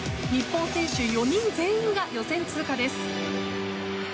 日本選手４人全員が予選通過です。